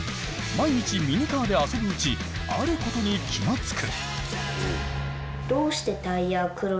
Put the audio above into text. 毎日ミニカーで遊ぶうちあることに気が付く。